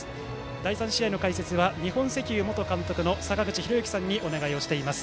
第３試合の解説は日本石油元監督の坂口裕之さんにお願いしています。